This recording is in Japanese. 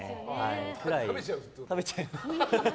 それくらい食べちゃいます。